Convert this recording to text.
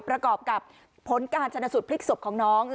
ประกอบกับผลการชนะสูตรพลิกศพของน้อง